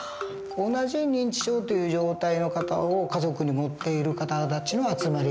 同じ認知症という状態の方を家族に持っている方たちの集まり